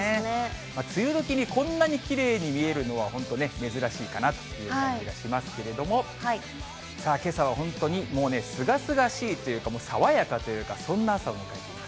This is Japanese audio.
梅雨時にこんなにきれいに見えるのは本当に珍しいかなという感じがしますけれども、さあ、けさは本当にもうね、すがすがしいというか、爽やかというか、そんな朝を迎えています。